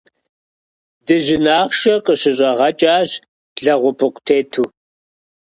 Дыжьын ахъшэ къыщыщӏагъэкӏащ лэгъупыкъу тету.